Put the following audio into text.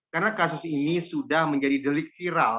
karena kasus ini sudah menjadi delik viral